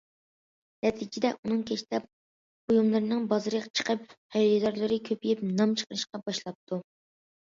نەتىجىدە، ئۇنىڭ كەشتە بۇيۇملىرىنىڭ بازىرى چىقىپ، خېرىدارلىرى كۆپىيىپ، نام چىقىرىشقا باشلاپتۇ.